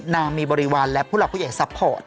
นางมีบริวารและผู้หลักผู้ใหญ่ซัพพอร์ต